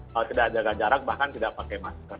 kalau tidak jaga jarak bahkan tidak pakai masker